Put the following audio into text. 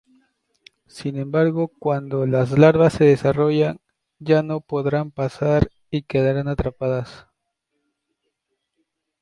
Sin embargo, cuando las larvas se desarrollan, ya no podrán pasar y quedarán atrapadas.